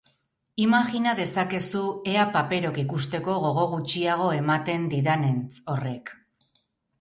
Imajina dezakezu ea paperok ikusteko gogo gutxiago ematen didanentz horrek.